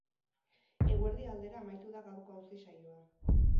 Eguerdia aldera amaitu da gaurko auzi saioa.